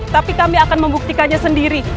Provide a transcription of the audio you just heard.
tapi kami akan membuktikannya sendiri